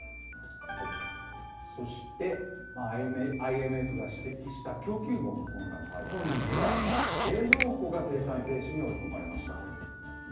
そして、ＩＭＦが指摘した供給網の混乱ですが、今度は冷蔵庫が生産停止に追い込まれました。